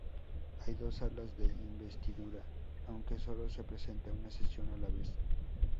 Hay dos salas de investidura, aunque sólo se presenta una sesión a la vez.